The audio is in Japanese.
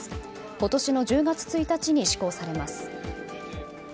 今年の１０月１日に施行されます。